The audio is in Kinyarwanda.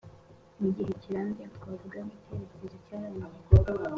Mu gihe kirambye aho twavuga nk ikerekezo cyarangiye